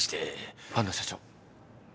万野社長。